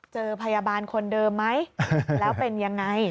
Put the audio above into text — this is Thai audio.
เจอพยาบาลคนเดิมไหมแล้วเป็นยังไง